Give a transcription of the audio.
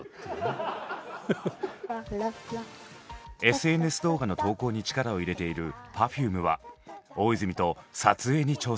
ＳＮＳ動画の投稿に力を入れているＰｅｒｆｕｍｅは大泉と撮影に挑戦！